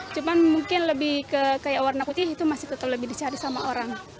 cuman mungkin lebih ke kayak warna putih itu masih betul lebih dicari sama orang